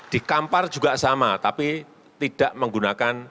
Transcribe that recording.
di kampar juga sama tapi tidak menggunakan